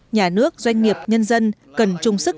nhà nước doanh nghiệp nhân dân cần trung sức